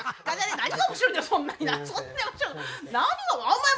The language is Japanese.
何が面白いんだよ